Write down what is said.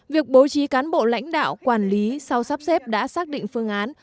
việc bố trí cán bộ lãnh đạo quản lý sau sắp xếp đã xác định phương án